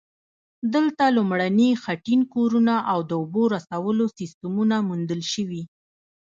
دلته لومړني خټین کورونه او د اوبو رسولو سیستمونه موندل شوي